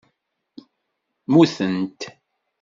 Mutent.